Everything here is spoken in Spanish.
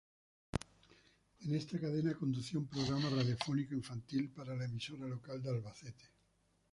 En esta cadena, conducía un programa radiofónico infantil para la emisora local de Albacete.